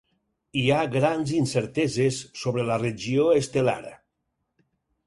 Hi ha grans incerteses sobre la regió estel·lar.